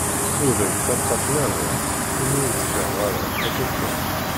Ur d ay-ttaṭafen ara, imi ur d-ffiɣeɣ ara, akka kan.